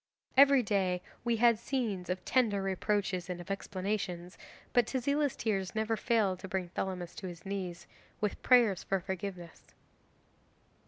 Every day we had scenes of tender reproaches and of explanations, but Tezila's tears never failed to bring Thelamis to his knees, with prayers for forgiveness.